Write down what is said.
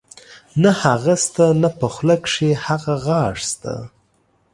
نۀ هغه شته نۀ پۀ خولۀ کښې هغه غاخ شته